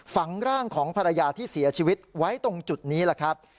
ฝังร่างของภรรยาที่เสียชีวิตไว้ตรงจุดนี้แหละครับ